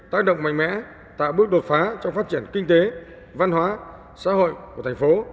tác động mạnh mẽ tạo bước đột phá trong phát triển kinh tế văn hóa xã hội của thành phố